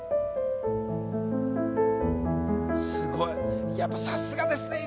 すごいやっぱさすがですね